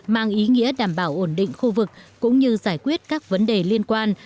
mang ý nghĩa đảm bảo ổn định khu vực cũng như giải quyết các vấn đề liên quan